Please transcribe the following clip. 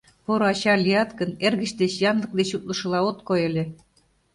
Поро ача лият гын, эргыч деч янлык деч утлышыла от кой ыле...